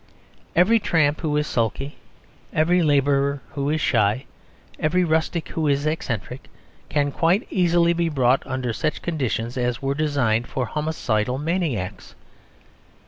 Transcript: Every tramp who is sulky, every labourer who is shy, every rustic who is eccentric, can quite easily be brought under such conditions as were designed for homicidal maniacs.